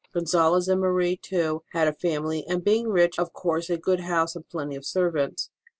Gonzalez and Marie, too, had a family, and, being rich, of course a good house and plenty of servants.